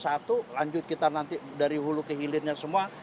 kita lanjut nanti dari hulu ke hilirnya semua